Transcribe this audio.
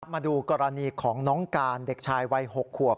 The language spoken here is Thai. มาดูกรณีของน้องการเด็กชายวัย๖ขวบ